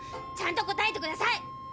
ちゃんと答えてください！